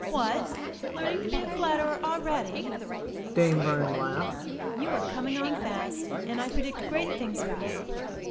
"What, learning to be a flatterer already!" Dame Vernon laughed. "You are coming on fast, and I predict great things from you.